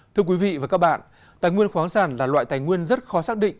thưa quý vị và các bạn tài nguyên khoáng sản là loại tài nguyên rất khó xác định